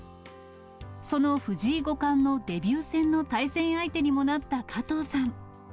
その藤井五冠のデビュー戦の対戦相手にもなった加藤さん。